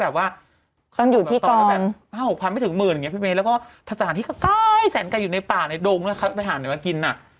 แล้วสร้างงานที่ใกล้แสนกัดอยู่ในป่าในดงแล้วเขาจะไปหาขนาดไหนมากิน